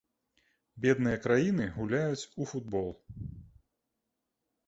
Бедныя краіны гуляюць у футбол.